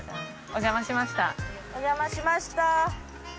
お邪魔しました。